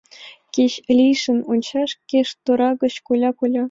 Кеч лишычын ончал, кеч тора гыч — коля, коля...